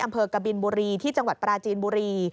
อำเภอกบิลบุรีที่จังหวัดปราจีนบุรี